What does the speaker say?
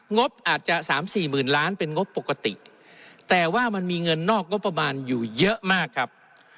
งบอาจจะสามสี่หมื่นล้านเป็นงบปกติแต่ว่ามันมีเงินนอกงบประมาณอยู่เยอะมากครับ